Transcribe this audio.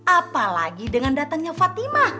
apalagi dengan datangnya fatima